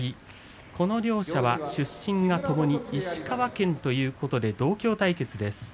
この両者は出身が、ともに石川県ということで同郷対決です。